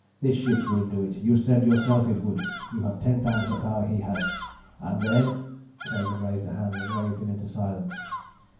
This ship will do it. You said yourself it would. You have ten times the power he has. And then ..." Craven raised a hand and waved him into silence.